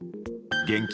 現金